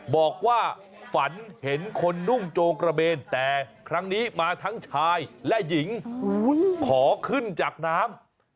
บอกว่าฝันเห็นคนนุ่งโจงกระเบนแต่ครั้งนี้มาทั้งชายและหญิงขอขึ้นจากน้ำ